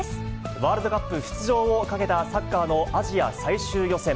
ワールドカップ出場をかけたサッカーのアジア最終予選。